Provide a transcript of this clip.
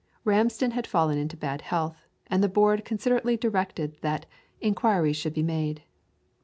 Ramsden had fallen into bad health, and the Board considerately directed that "inquiries should be made."